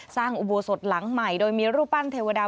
อุโบสถหลังใหม่โดยมีรูปปั้นเทวดา